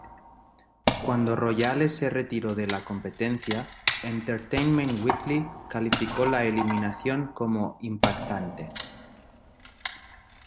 Cuando Royale se retiró de la competencia, "Entertainment Weekly" calificó la eliminación como "impactante".